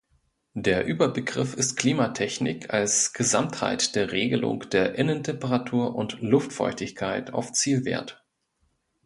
Der Überbegriff ist Klimatechnik als Gesamtheit der Regelung der Innentemperatur und Luftfeuchtigkeit auf Zielwert.